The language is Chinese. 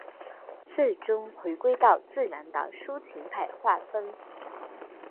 最终回归到自然的抒情派画风。